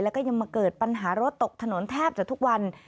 แล้วก็ยังมาเกิดปัญหารถตกถนนแทบจะทุกวัน